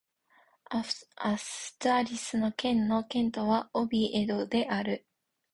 アストゥリアス県の県都はオビエドである